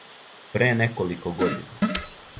Пре неколико година.